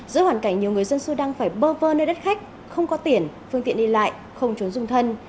giữa hoàn cảnh nhiều người dân sudan phải bơ vơ nơi đất khách không có tiền phương tiện đi lại không trốn dung thân